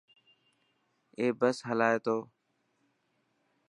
اي بس هلائي تو.